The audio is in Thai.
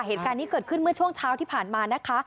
เหตุการณ์นี้เกิดขึ้นเมื่อช่วงเช้าที่ผ่านมานะคะ